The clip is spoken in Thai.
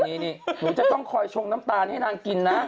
นี่หนูจะต้องคอยชงน้ำตาลให้นางกินนะ